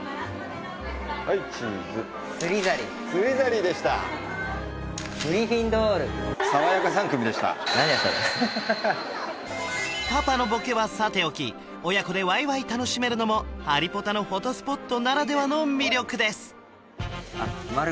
はいチーズスリザリンでしたパパのボケはさておき親子でわいわい楽しめるのもハリポタのフォトスポットならではの魅力です